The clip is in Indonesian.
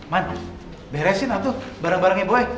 man beresin lah tuh barang barangnya boy